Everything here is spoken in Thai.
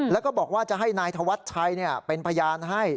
แล้วก็บอกว่าจะให้นายธวัชชัยเป็นพยานให้